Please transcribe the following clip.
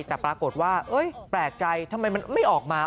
แต่ปรากฏว่าแปลกใจทำไมมันไม่ออกมา